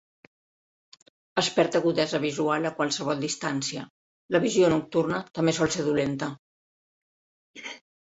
Es perd agudesa visual a qualsevol distància. La visió nocturna també sol ser dolenta.